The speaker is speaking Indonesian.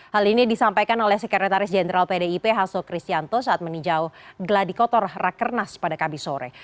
hal ini disampaikan oleh sekretaris jenderal pdip hasso kristianto saat meninjau geladi kotor rakernas pada kamis sore